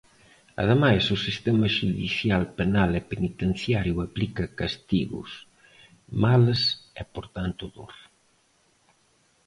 Ademais, o sistema xudicial penal e penitenciario aplica castigos, males e por tanto dor.